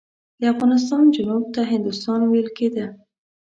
د افغانستان جنوب ته هندوستان ویل کېده.